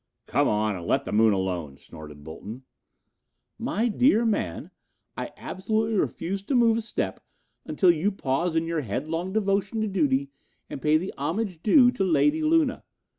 "Come on and let the moon alone," snorted Bolton. "My dear man, I absolutely refuse to move a step until you pause in your headlong devotion to duty and pay the homage due to Lady Luna.